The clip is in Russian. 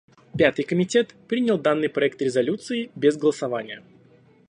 Пятый комитет принял данный проект резолюции без голосования.